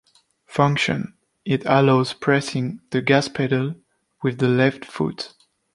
Function: it allows pressing the gas pedal with the left foot.